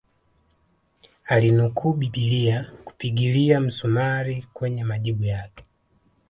Alinukuu bibilia kupigilia msumari kwenye majibu yake